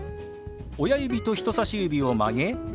親指と人さし指を曲げ